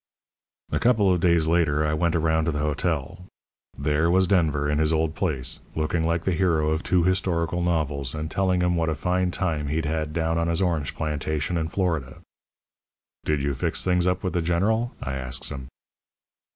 "A couple of days later I went around to the hotel. There was Denver in his old place, looking like the hero of two historical novels, and telling 'em what a fine time he'd had down on his orange plantation in Florida. "'Did you fix things up with the General?' I asks him.